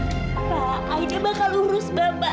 pak aja bakal urus bapak